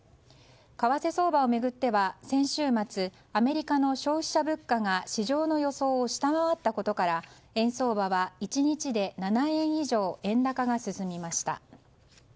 為替相場を巡っては先週末アメリカの消費者物価が市場の予想を下回ったことから円相場は１日で７円以上円高が進みました。